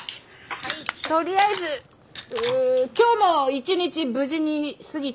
とりあえず今日も一日無事に過ぎたという事で。